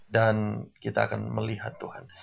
dan kita akan melihat tuhan